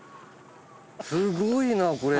すごいなこれ！